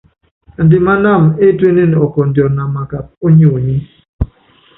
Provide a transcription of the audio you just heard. Andimanámɛ étuénene ɔkɔndjɔ na makap ó nyonyi.